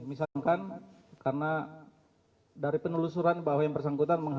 misalkan karena dari penelusuran bahwa yang bersangkutan